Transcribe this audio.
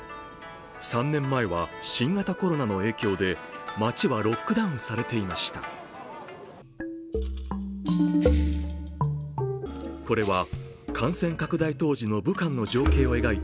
３年前は新型コロナの影響で街はロックダウンされていました。